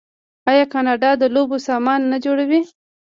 آیا کاناډا د لوبو سامان نه جوړوي؟